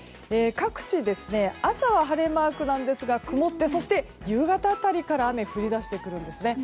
各地で朝は晴れマークなんですが曇って、夕方辺りから雨が降り出してきます。